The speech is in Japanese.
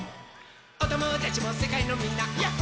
「おともだちもせかいのみんなやっほやっほ」